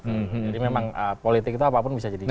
jadi memang politik itu apapun bisa jadi bahan